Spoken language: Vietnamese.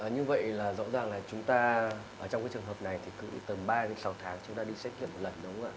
như vậy là rõ ràng là chúng ta trong cái trường hợp này thì tầm ba đến sáu tháng chúng ta đi xét nghiệm một lần